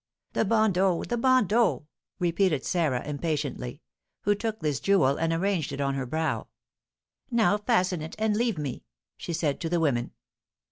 "The bandeau, the bandeau!" repeated Sarah, impatiently, who took this jewel and arranged it on her brow. "Now fasten it, and leave me!" she said to the women.